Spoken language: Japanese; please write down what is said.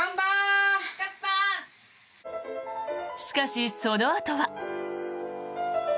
しかし、そのあとは。